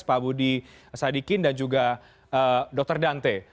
dengan jurus baru ini sadikin dan juga dr dante